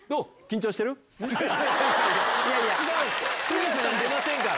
通訳さん出ませんから！